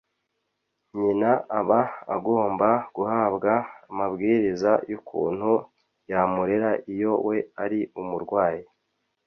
nyina aba agomba guhabwa amabwiriza y’ukuntu yamurera iyo we ari umurwayi.